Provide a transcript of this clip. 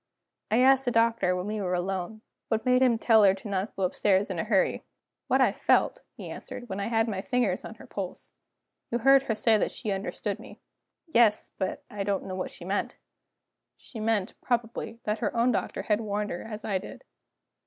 I asked the Doctor, when we were alone, what made him tell her not to go upstairs in a hurry. "What I felt," he answered, "when I had my fingers on her pulse. You heard her say that she understood me." "Yes; but I don't know what she meant." "She meant, probably, that her own doctor had warned her as I did."